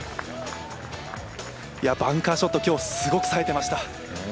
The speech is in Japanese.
バンカーショット、今日、すごくさえていました。